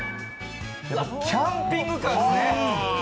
キャンピングカーですね。